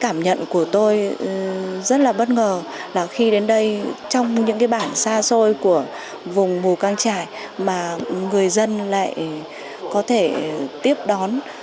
cảm nhận của tôi rất là bất ngờ là khi đến đây trong những cái bản xa xôi của vùng mù căng trải mà người dân lại có thể tiếp đón